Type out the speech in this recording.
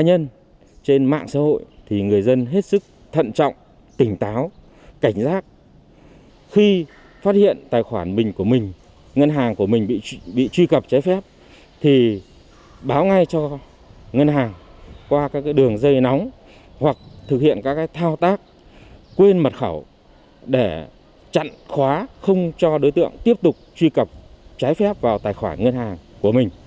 ngân hàng qua các đường dây nóng hoặc thực hiện các thao tác quên mật khẩu để chặn khóa không cho đối tượng tiếp tục truy cập trái phép vào tài khoản ngân hàng của mình